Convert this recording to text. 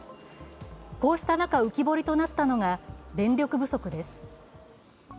こうした中、浮き彫りとなったのが電力不足です。